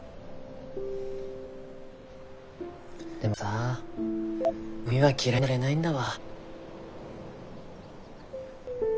でもさ海は嫌いになれないんだわ。